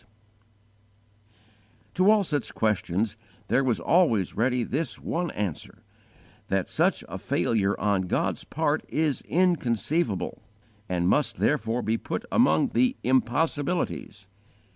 To all such questions there was always ready this one answer: that such a failure on God's part is inconceivable, and must therefore be put among the impossibilities.